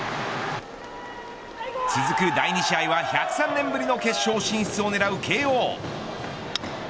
続く第２試合は１０３年ぶりの決勝進出を狙う慶応。